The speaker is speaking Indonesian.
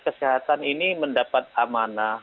kesehatan ini mendapat amanah